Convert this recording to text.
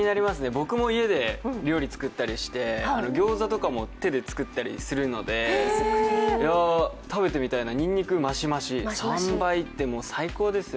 僕も家で料理作ったりして、餃子とかも手で作ったりするので食べてみたいな、にんにくマシマシ３倍って最高ですよ。